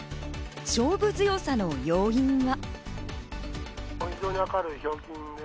勝負強さの要因は。